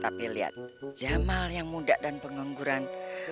tapi lihat jamal yang muda dan pengangguran